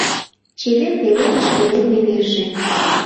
Чевер пеледыш пеледме верже